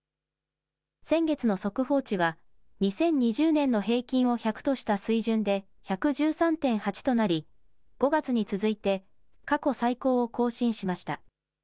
先月の速報値は２０２０年の平均を１００とした水準で１１３．８となり、５月に続いて過去最高を更新しました。